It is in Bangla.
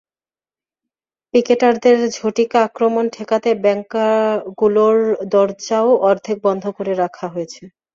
পিকেটারদের ঝটিকা আক্রমণ ঠেকাতে ব্যাংকগুলোর দরজাও অর্ধেক বন্ধ করে রাখা হয়েছে।